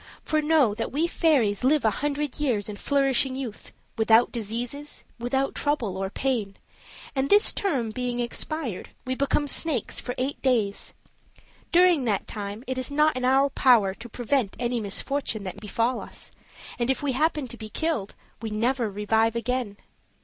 For know that we fairies live a hundred years in flourishing youth, without diseases, without trouble or pain; and this term being expired, we become snakes for eight days. During that time it is not in our power to prevent any misfortune that may befall us; and if we happen to be killed, we never revive again.